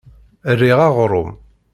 Riɣ aɣrum.